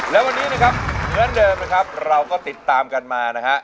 และวันนี้นะครับเหมือนเดิมนะครับเราก็ติดตามกันมานะฮะ